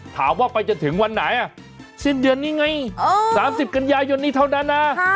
ถามว่าไปจนถึงวันไหนสิ้นเดือนนี้ไง๓๐กันยายนนี้เท่านั้นนะ